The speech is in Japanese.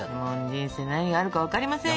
人生何があるか分かりませんよ。